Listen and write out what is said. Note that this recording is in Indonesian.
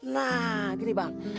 nah gini bang